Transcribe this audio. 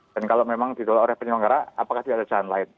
dan kalau memang didolong oleh penyelenggara apakah tidak ada jalan lain